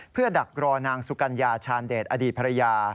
เพื่อดักรอนางสุกัญญาชาญเดชอดีตภรรยา